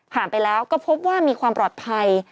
ไปแล้วก็พบว่ามีความปลอดภัย